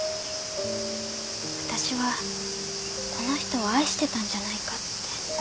私はこの人を愛してたんじゃないかって。